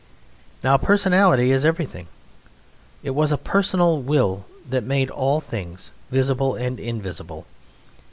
Now, personality is everything. It was a Personal Will that made all things, visible and invisible.